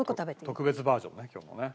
特別バージョンね今日はね。